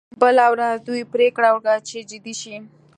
بله ورځ دوی پریکړه وکړه چې جدي شي